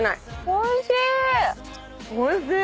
おいしい。